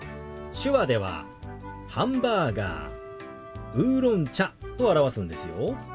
手話では「ハンバーガー」「ウーロン茶」と表すんですよ。